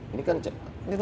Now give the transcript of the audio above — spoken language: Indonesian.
ini kan tantangan sendiri